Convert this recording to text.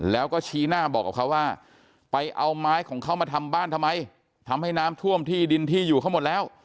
แล้วก็ชี้หน้าบอกกับเขาว่าไปเอาไม้ของเขามาทำบ้านทำไมทำให้น้ำท่วมที่ดินที่อยู่เขาหมดแล้ว